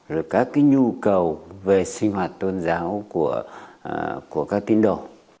và các nhu cầu về sinh hoạt tôn giáo của các tín đồ